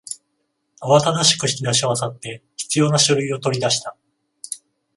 慌ただしく引き出しを漁って必要な書類を取り出した